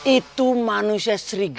itu manusia sering lidah